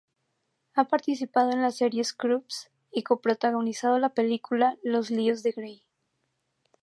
Ha participado en la serie "Scrubs" y co-protagonizado la película "Los líos de Gray".